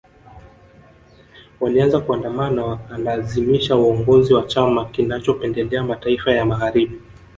Walianza kuandamana wakalazimisha uongozi wa chama kinachopendelea mataifa ya Magharibi